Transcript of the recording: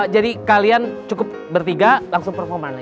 jadi kalian cukup bertiga langsung performa lagi